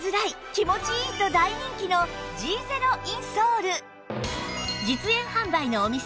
気持ちいい！と大人気の Ｇ ゼロインソール